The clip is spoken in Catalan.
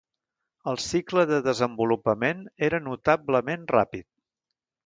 El cicle de desenvolupament era notablement ràpid.